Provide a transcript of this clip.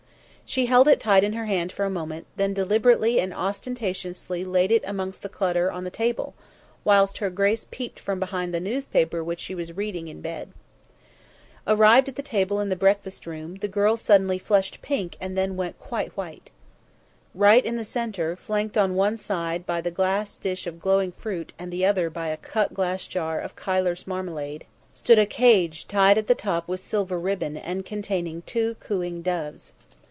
She held it tight in her hand for a moment, then deliberately and ostentatiously laid it amongst the clutter on the table, whilst her grace peeped from behind the newspaper which she was reading in bed. Arrived at the table in the breakfast room, the girl suddenly flushed pink and then went quite white. Right in the centre, flanked on one side by the glass dish of glowing fruit and the other by a cut glass jar of Keiller's marmalade, stood a cage tied at the top with silver ribbon and containing two cooing doves.